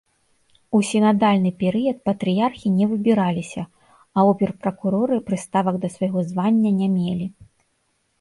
У сінадальны перыяд патрыярхі не выбіраліся, а обер-пракуроры прыставак да свайго звання не мелі.